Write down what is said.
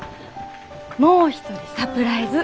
もう一人サプライズ。